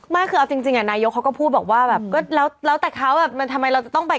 ไม่คือเอาจริงนายกเขาก็พูดบอกว่าแบบก็แล้วแต่เขามันทำไมเราจะต้องไป